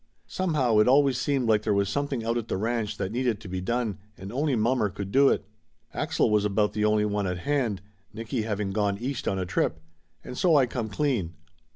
Some how it always seemed like there was something out at the ranch that needed to be done and only mommer could do it. Axel was about the only one at hand, Nicky having gone East on a trip. And so I come clean.